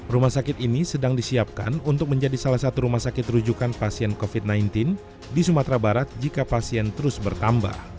rumah sakit ini sedang disiapkan untuk menjadi salah satu rumah sakit rujukan pasien covid sembilan belas di sumatera barat jika pasien terus bertambah